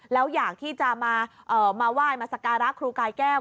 แล้วอยากที่จะมาไหว้มาสการะครูกายแก้ว